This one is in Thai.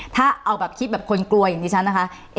ถ้าเอาแบบคิดแบบคนกลัวอย่างนี้ฉันนะคะ